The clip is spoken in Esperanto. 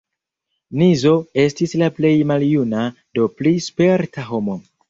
Nizo estis la plej maljuna, do pli sperta homo.